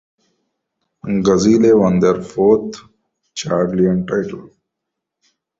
Gazelle won their fourth Chadian title.